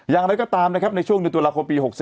อย่างอะไรก็ตามนะครับในช่วง๑๖ปี